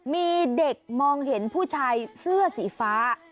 มีเด็กมองเห็นผู้ชายเสื้อสีฟ้า